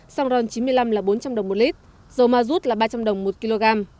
xăng ron chín mươi năm là bốn trăm linh đồng một lít dầu ma rút là ba trăm linh đồng một kg